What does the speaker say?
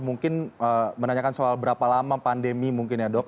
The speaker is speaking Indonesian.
mungkin menanyakan soal berapa lama pandemi mungkin ya dok